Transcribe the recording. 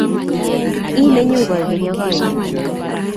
Ii nenyu koigeny ak koigeny